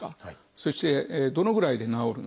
そしてどのぐらいで治るのか。